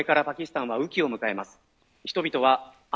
これからパキスタンは雨期を迎えます。